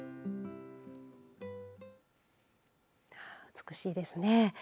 美しいですね。